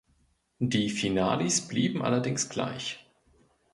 Die Finalis bleibt allerdings gleich.